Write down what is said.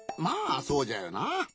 まあそうじゃよな。